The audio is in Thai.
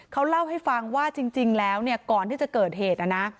เค้าเล่าให้ฟังว่าจริงแล้วก่อนที่จะเกิดเหตุ